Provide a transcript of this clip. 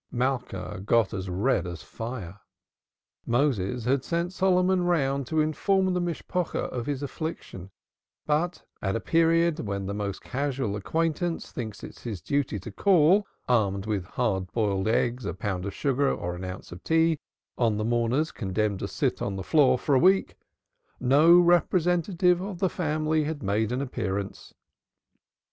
Malka got as red as fire. Moses had sent Solomon round to inform the Mishpocha of his affliction, but at a period when the most casual acquaintance thinks it his duty to call (armed with hard boiled eggs, a pound of sugar, or an ounce of tea) on the mourners condemned to sit on the floor for a week, no representative of the "family" had made an appearance.